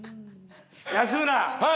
安村。